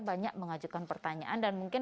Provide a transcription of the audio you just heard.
banyak mengajukan pertanyaan dan mungkin